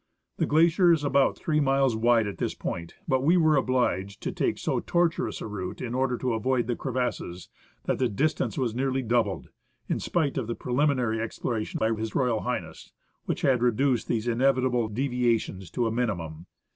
The glacier is about three miles wide at this point, but we were obliged to take so tortuous a route in order to avoid the crevasses that the distance was nearly doubled, in spite of the preliminary exploration by H.R. H., which had reduced these inevitable deviations to the minimum.